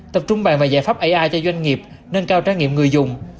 tập trung bàn và giải pháp ai cho doanh nghiệp nên cao trái nghiệm người dùng